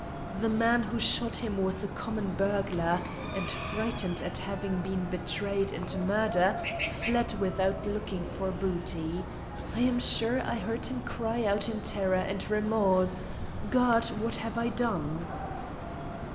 "The man who shot him was a common burglar, and, frightened at having been betrayed into murder, fled without looking for booty. I am sure I heard him cry out in terror and remorse: 'God! what have I done!